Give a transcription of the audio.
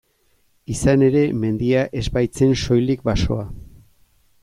Izan ere, mendia ez baitzen soilik basoa.